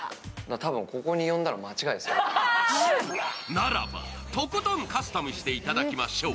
ならば、とことんカスタムしていただきましょう。